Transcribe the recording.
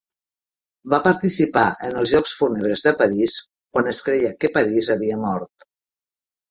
Va participar en els jocs fúnebres de Paris, quan es creia que Paris havia mort.